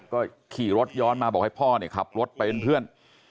ก็ขี่รถย้อนมาบอกให้พ่อเนี่ยขับรถไปเป็นเพื่อน